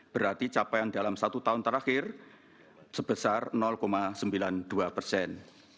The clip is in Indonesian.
berarti capaian dalam satu tahun terakhir sebesar sembilan puluh dua persen